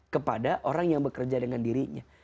kepada orang yang bekerja dengan dirinya